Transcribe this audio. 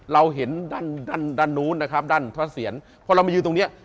เราเห็นด้านด้านนู้นนะครับด้านพระเสียรพอเรามายืนตรงเนี้ย